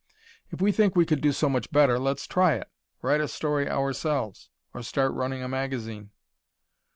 If we think we could do so much better, let's try it. Write a story ourselves or start running a magazine!